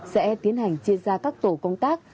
sẽ tiến hành chia ra các tổ công tác